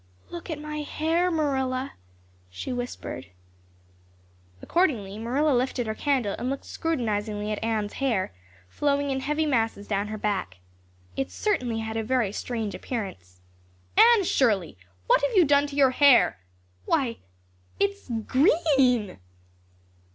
"Look at my hair, Marilla," she whispered. Accordingly, Marilla lifted her candle and looked scrutinizingly at Anne's hair, flowing in heavy masses down her back. It certainly had a very strange appearance. "Anne Shirley, what have you done to your hair? Why, it's _green!